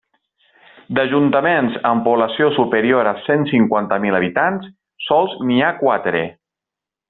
D'ajuntaments amb població superior als cent cinquanta mil habitants, sols n'hi ha quatre.